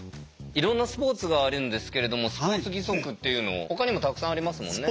いろんなスポーツがあるんですけれどもスポーツ義足っていうのほかにもたくさんありますもんね。